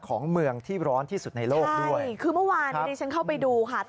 ของเมืองที่ร้อนที่สุดในโลกด้วยคือเมื่อวานนะดีในฉันเข้าไปดูค่ะตอนเที่ยงตรงของเมื่อวานนี้